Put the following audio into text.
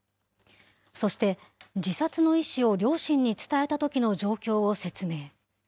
そして、自殺の意思を両親に伝えたときの状況を説明。